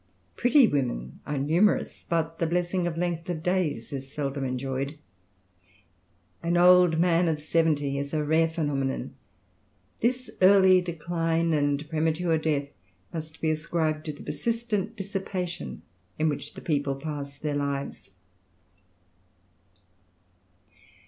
Pretty women are numerous; but the blessing of length of days is seldom enjoyed. An old man of seventy is a rare phenomenon. This early decline and premature death must be ascribed to the persistent dissipation in which the people pass their lives.